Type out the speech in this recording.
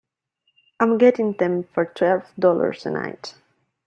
I'm getting them for twelve dollars a night.